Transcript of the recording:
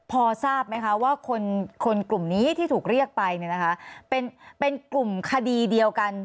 พอทราบไหมคะว่าคนกลุ่มนี้ที่ถูกเรียกไปเป็นกลุ่มคดีเดียวกัน